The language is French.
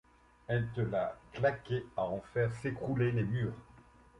elle te l'a claquée à en faire s'écrouler les murs.